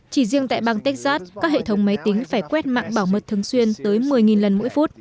chỉ riêng tại bang texas các hệ thống máy tính phải quét mạng bảo mật thường xuyên tới một mươi lần mỗi phút